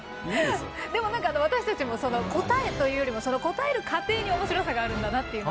でも何か私たちも答えというよりもその答える過程におもしろさがあるんだなって。